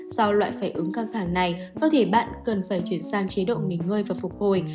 do loại phản ứng căng thẳng này có thể bạn cần phải chuyển sang chế độ nghỉ ngơi và phục hồi